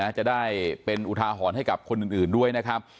จะได้เป็นอุทาหรณ์ให้กับคนอื่นด้วยนะครับ